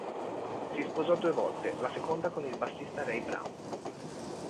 Si sposò due volte, la seconda con il bassista Ray Brown.